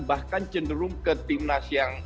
bahkan cenderung ke tim nas yang